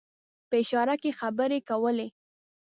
په اشاره کې خبرې کولې.